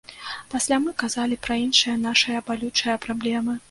Пасля мы казалі пра іншыя нашыя балючыя праблемы.